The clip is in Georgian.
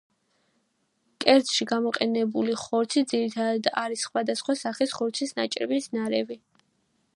კერძში გამოყენებული ხორცი ძირითადად არის სხვა და სხვა სახის ხორცის ნაჭრების ნარევი.